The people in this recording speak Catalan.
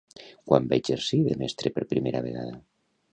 Quan va exercir de mestre per primera vegada?